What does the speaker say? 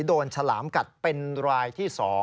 ฉลามกัดเป็นรายที่๒